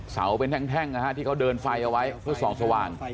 เสาเป็นแท่งที่เขาเดินไฟเอาไว้เพื่อส่องสว่าง